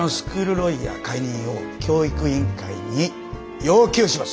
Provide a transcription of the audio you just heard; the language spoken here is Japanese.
ロイヤー解任を教育委員会に要求します。